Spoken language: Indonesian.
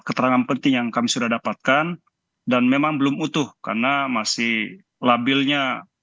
keterangan penting yang kami sudah dapatkan dan memang belum utuh karena masih labilnya